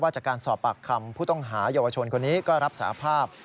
จากการสอบปากคำผู้ต้องหาเยาวชนคนนี้ก็รับสาภาพ